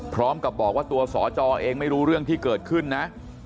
พร้อมกับบอกว่าตัวสจเองไม่รู้เรื่องที่เกิดขึ้นนะ